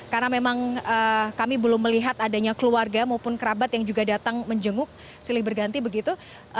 karena memang kami belum melihat adanya keluarga maupun kerabat yang juga datang menjenguk silih berganti begitu